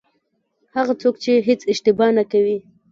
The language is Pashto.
هغه څوک چې هېڅ اشتباه نه کوي.